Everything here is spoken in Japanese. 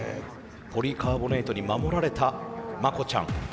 ポリカーボネートに守られた魔虎ちゃん。